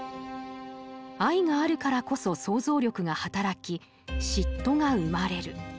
愛があるからこそ想像力が働き嫉妬が生まれる。